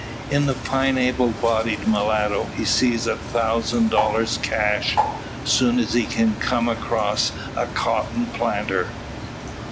In the fine able bodied mulatto, he sees a thousand dollars cash soon as he can come across a cotton planter.